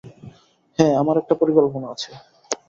হ্যাঁ, আমার একটা পরিকল্পনা আছে।